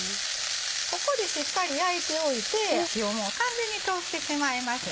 ここでしっかり焼いておいて火を完全に通してしまいます。